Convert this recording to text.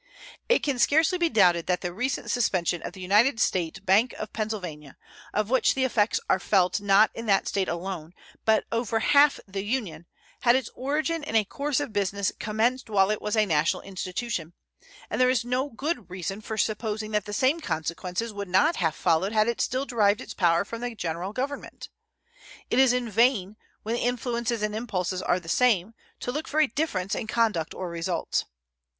It can scarcely be doubted that the recent suspension of the United State Bank of Pennsylvania, of which the effects are felt not in that State alone, but over half the Union, had its origin in a course of business commenced while it was a national institution, and there is no good reason for supposing that the same consequences would not have followed had it still derived its powers from the General Government. It is in vain, when the influences and impulses are the same, to look for a difference in conduct or results.